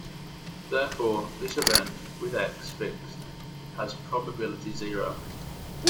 Therefore, this event, with "x" fixed, has probability zero.